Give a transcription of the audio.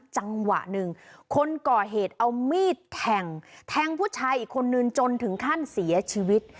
จังหวะหนึ่งคนก่อเหตุเอามีดแทงแทงผู้ชายอีกคนนึงจนถึงขั้นเสียชีวิต